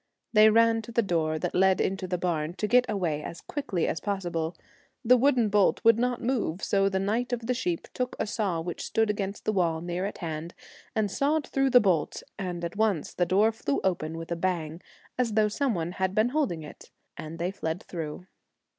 They ran to the door that led into the barn to get away as quickly as possible. The wooden bolt would not move, so the knight of the sheep took a saw which stood against the wall near at hand, and sawed through the bolt, and at once the door flew open with a bang, as though some one had been holding it, and they fled through.